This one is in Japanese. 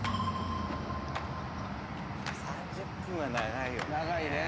３０分は長いよねぇ。